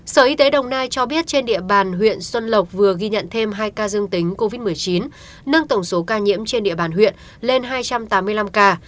sở y tế đồng nai cho biết trên địa bàn huyện xuân lộc vừa ghi nhận thêm hai ca dương tính covid một mươi chín nâng tổng số ca nhiễm trên địa bàn huyện lên hai trăm tám mươi năm ca